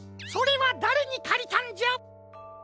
それはだれにかりたんじゃ？